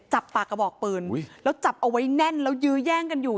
ปากกระบอกปืนแล้วจับเอาไว้แน่นแล้วยื้อแย่งกันอยู่